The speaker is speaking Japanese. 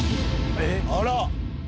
えっあら！